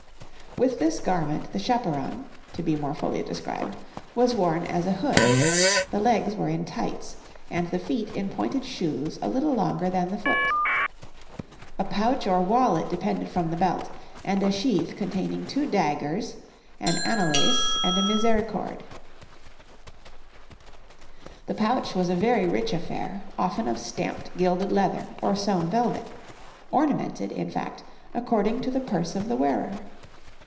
With this garment the chaperon (to be more fully described) was worn as a hood; the legs were in tights, and the feet in pointed shoes a little longer than the foot. A pouch or wallet depended from the belt, and a sheath containing two daggers, an anelace, and a misericorde. The pouch was a very rich affair, often of stamped gilded leather or sewn velvet ornamented, in fact, according to the purse of the wearer.